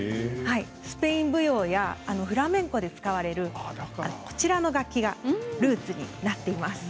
スペイン舞踊やフラメンコで使われるこちらの楽器がルーツになっています。